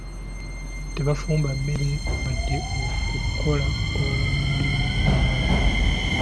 Tebafumba mmere wadde okukola omulimu omulala.